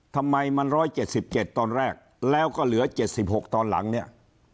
ทำไมมัน๑๗๗ตอนแรกแล้วก็เหลือ๗๖ตอนหลังเนี่ย